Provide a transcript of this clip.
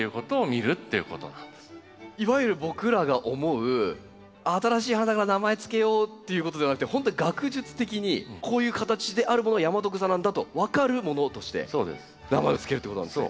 いわゆる僕らが思う「新しい花だから名前付けよう」っていうことではなくて本当に学術的にこういう形であるものはヤマトグサなんだと分かるものとして名前を付けるということなんですね。